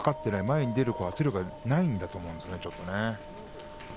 前に出る圧力がないんだと思うんですね。